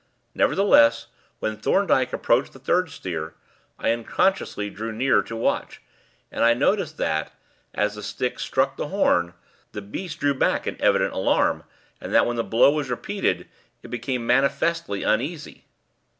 Nevertheless, when Thorndyke approached the third steer, I unconsciously drew nearer to watch; and I noticed that, as the stick struck the horn, the beast drew back in evident alarm, and that when the blow was repeated, it became manifestly uneasy.